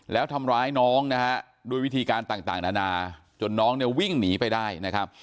แล้วทำร้ายน้องนะฮะด้วยวิธีการต่างนานาจนน้องเนี่ยวิ่งหนีไปได้นะครับ